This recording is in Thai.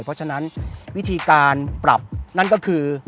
เพราะฉะนั้นวิธีการปรับนั่นก็คือ